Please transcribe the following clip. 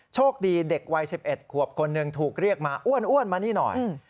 โชคดีเด็กวัย๑๑ขวบคนหนึ่งถูกเรียกมาอ้วนมานี่หน่อย